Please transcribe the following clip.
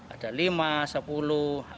ada lima sepuluh